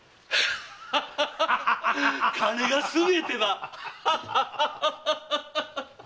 金がすべてだ！